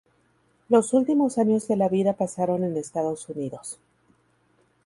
Los últimos años de la vida pasaron en Estados Unidos.